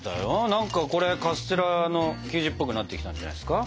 何かこれカステラの生地っぽくなってきたんじゃないですか？